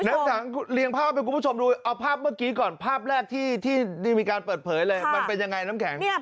น้ำสังเรียงภาพให้คุณผู้ชมดูเอาภาพเมื่อกี้ก่อนภาพแรกที่ได้มีการเปิดเผยเลยมันเป็นยังไงน้ำแข็ง